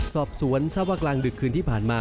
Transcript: สอบสวนทราบว่ากลางดึกคืนที่ผ่านมา